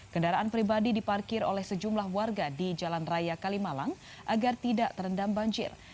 kendaraan pribadi diparkir oleh sejumlah warga di jalan raya kalimalang agar tidak terendam banjir